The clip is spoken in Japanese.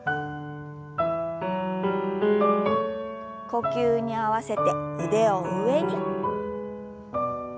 呼吸に合わせて腕を上に。